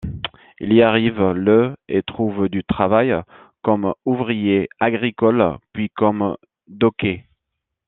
Il y arrive le et trouve du travail comme ouvrier agricole, puis comme docker.